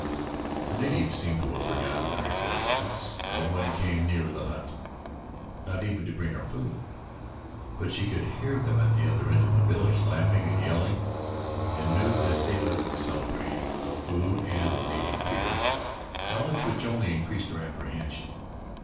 The natives seemed to have forgotten her existence no one came near the hut, not even to bring her food. She could hear them at the other end of the village laughing and yelling and knew that they were celebrating with food and native beer knowledge which only increased her apprehension.